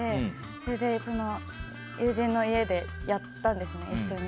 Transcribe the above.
それで友人の家でやったんです一緒に。